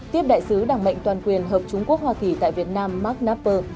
tiếp đại sứ đảng mệnh toàn quyền hợp trung quốc hoa kỳ tại việt nam mark knapper